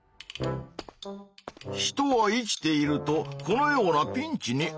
人は生きているとこのようなピンチにあう。